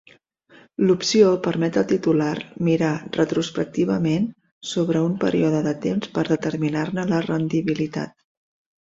L'opció permet al titular "mirar retrospectivament" sobre un període de temps per determinar-ne la rendibilitat.